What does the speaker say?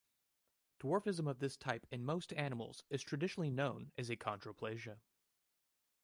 Dwarfism of this type in most animals is traditionally known as achondroplasia.